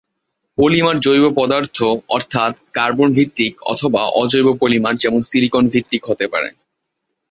Polymer জৈব পদার্থ, অর্থাৎ কার্বন-ভিত্তিক, অথবা অজৈব পলিমার, যেমন সিলিকন-ভিত্তিক হতে পারে।